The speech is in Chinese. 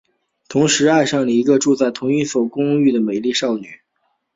同时爱上了一个住在同一所公寓的美丽少女。